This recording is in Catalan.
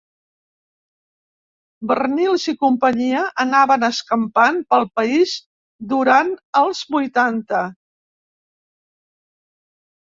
Barnils i companyia anaven escampant pel país durant els vuitanta.